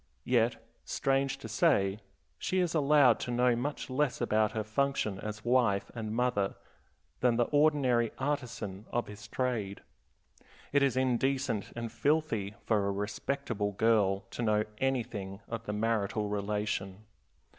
Yet, strange to say, she is allowed to know much less about her function as wife and mother than the ordinary artisan of his trade. It is indecent and filthy for a respectable girl to know anything of the marital relation.